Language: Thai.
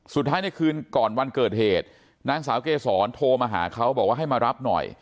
ในคืนก่อนวันเกิดเหตุนางสาวเกษรโทรมาหาเขาบอกว่าให้มารับหน่อย